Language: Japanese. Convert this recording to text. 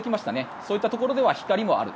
そういったところでは光もある。